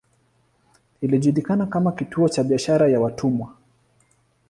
Ilijulikana kama kituo cha biashara ya watumwa.